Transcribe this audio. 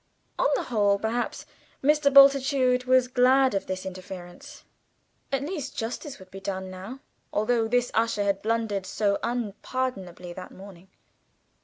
On the whole, perhaps, Mr. Bultitude was glad of this interference. At least justice would be done now, although this usher had blundered so unpardonably that morning.